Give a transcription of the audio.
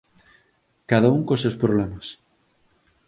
Cada un cos seus problemas.